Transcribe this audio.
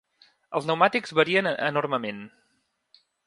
Els pneumàtics varien enormement.